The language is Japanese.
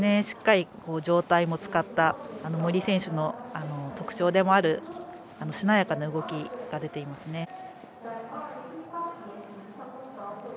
しっかり上体も使った森選手の特徴でもあるしなやかな動きが出ていますね。